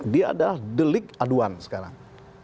dia adalah delik aduan sekarang